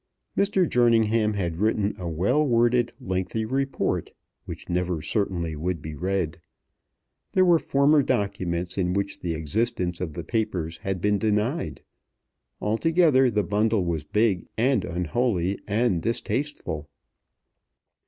Mr. Jerningham had written a well worded lengthy report, which never certainly would be read. There were former documents in which the existence of the papers had been denied. Altogether the bundle was big and unholy and distasteful.